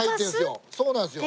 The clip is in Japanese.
そうなんですよ。